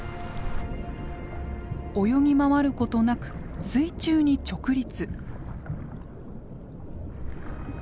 泳ぎ回ることなく水中に直立。